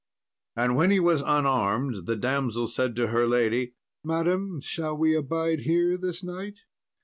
And when he was unarmed, the damsel said to her lady, "Madam, shall we abide here this night?"